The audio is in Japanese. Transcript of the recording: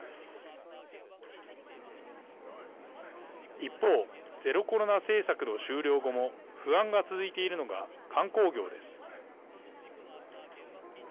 一方ゼロコロナ政策の終了後も不安が続いているのが観光業です。